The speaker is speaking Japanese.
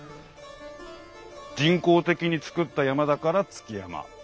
人工的に作った山だから築山。